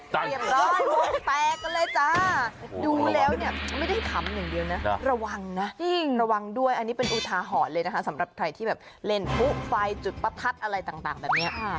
เตรียมร่อยโบ๊คแปลกเลยจ้าดูแล้วเนี่ยไม่ยังขำหนึ่งเดียวนะระวังนะระวังด้วยอันนี้เป็นอุทหะเหาะเลยนะคะสำหรับใครที่เล่นภูกภัยจุดปรับทัดอะไรต่างแบบเนี่ย